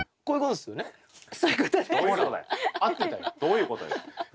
こういうことですよね？